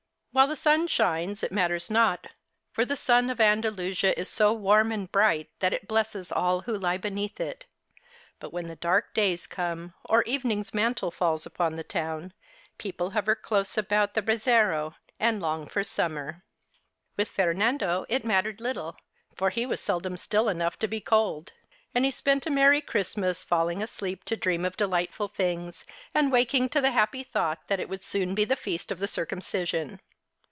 While the sun shines it matters not, for the sun of Andalusia is so warm and bright that it blesses all who lie beneath it; but when the dark days come or evening's mantle falls upon 56 Our Little Spanish Cousin the town, people hover close about the brazero and long for summer. With Fernando it mattered little, for he was seldom still enough to be cold, and he spent a merry Christmas, falling asleep to dream of delightful things, and waking to the happy thought that it would soon be the feast of the Circumcision.